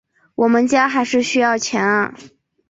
我们家还是需要钱啊